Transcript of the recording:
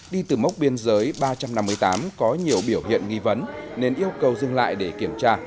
đi từ mốc biên giới ba trăm năm mươi tám có nhiều biểu hiện nghi vấn nên yêu cầu dừng lại để kiểm tra